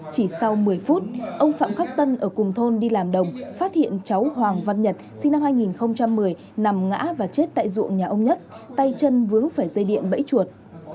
chỉ sau một mươi phút ông phạm khắc tân ở cùng thôn đi làm đồng phát hiện cháu hoàng văn nhật sinh năm hai nghìn một mươi nằm ngã và chết tại ruộng nhà ông nhất tay chân vướng phải dây điện bẫy chuột